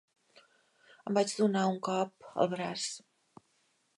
Em vaig donar un cop al braç.